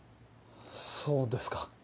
そうですか。